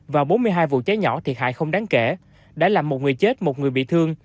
và bốn mươi hai vụ cháy nhỏ thiệt hại không đáng kể đã làm một người chết một người bị thương